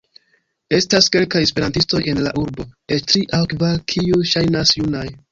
Estas kelkaj Esperantistoj en la urbo, eĉ tri aŭ kvar kiuj ŝajnas junaj.